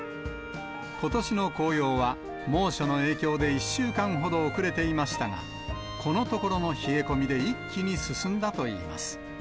ことしの紅葉は猛暑の影響で１週間ほど遅れていましたが、このところの冷え込みで一気に進んだといいます。